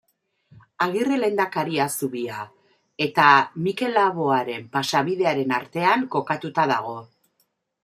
Agirre Lehendakaria zubia eta Mikel Laboaren pasabidearen artean kokatua dago.